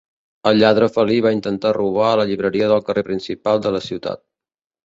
El lladre felí va intentar robar a la llibreria del carrer principal de la ciutat.